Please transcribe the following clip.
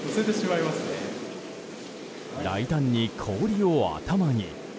大胆に氷を頭に。